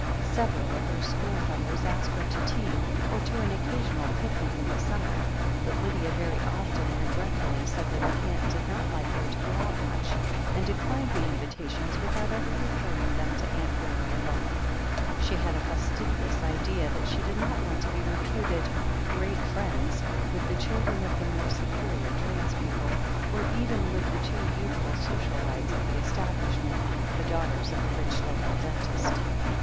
Several of her schoolfellows asked her to tea, or to an occasional picnic in the summer, but Lydia very often regretfully said that her aunt did not like her to 40 THE HEEL OF ACHILLES go out much, and declined the invitations, without ever referring them to Aunt Beryl at all. She had a fastidious idea that she did not want to be reputed "great friends" with the children of the more superior tradespeople, or even with the two youthful social lights of the establishment, the daughters of a rich local dentist.